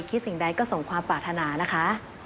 สิ่งใดก็ส่งความปรารถนานะคะ